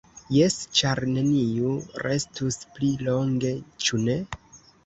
Jes, ĉar neniu restus pli longe, ĉu ne?